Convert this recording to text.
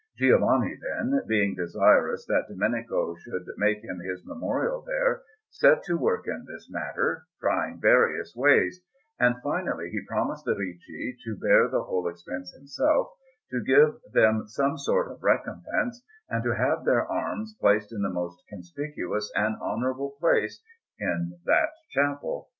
Giovanni, then, being desirous that Domenico should make him his memorial there, set to work in this matter, trying various ways; and finally he promised the Ricci to bear the whole expense himself, to give them some sort of recompense, and to have their arms placed in the most conspicuous and honourable place in that chapel.